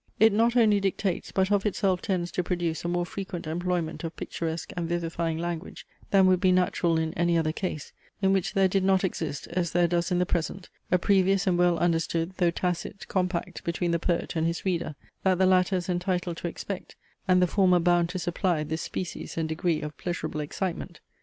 It not only dictates, but of itself tends to produce a more frequent employment of picturesque and vivifying language, than would be natural in any other case, in which there did not exist, as there does in the present, a previous and well understood, though tacit, compact between the poet and his reader, that the latter is entitled to expect, and the former bound to supply this species and degree of pleasurable excitement.